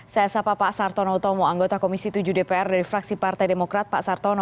saya sapa pak sartono utomo anggota komisi tujuh dpr dari fraksi partai demokrat pak sartono